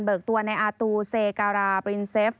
ตัวในอาตูเซการาปรินเซฟ